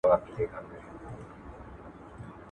پژي جوړوني او نورو زړه وړونکو